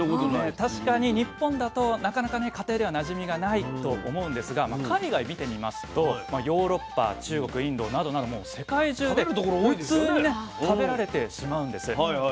確かに日本だとなかなかね家庭ではなじみがないと思うんですが海外見てみますとヨーロッパ中国インドなどなど世界中で普通にね食べられてしまうんです。